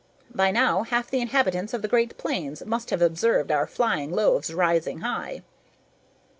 By now, half the inhabitants of the Great Plains must have observed our flying loaves rising high."